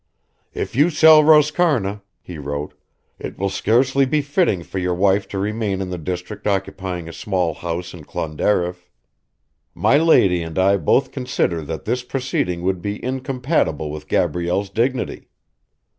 "If you sell Roscarna," he wrote, "_it will scarcely be fitting for your wife to remain in the district occupying a small house in Clonderriff. My lady and I both consider that this proceeding would be incompatible with Gabrielle's dignity.